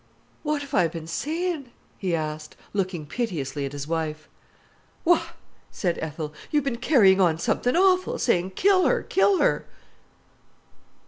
"What 'ave I been sayin'?" he asked, looking piteously at his wife. "Why!" said Ethel, "you've been carrying on something awful, saying, 'Kill her, kill her!